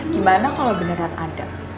gimana kalo beneran ada